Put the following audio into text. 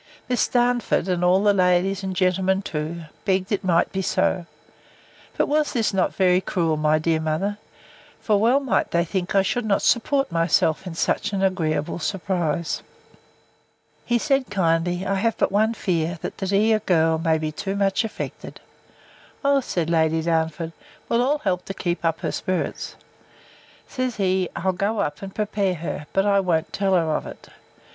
Miss Darnford, and all the ladies, and the gentlemen too, begged it might be so. But was not this very cruel, my dear mother? For well might they think I should not support myself in such an agreeable surprise. He said, kindly, I have but one fear, that the dear girl may be too much affected. O, said Lady Darnford, we'll all help to keep up her spirits. Says he, I'll go up, and prepare her; but won't tell her of it.